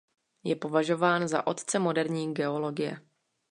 Je považován za "otce moderní geologie".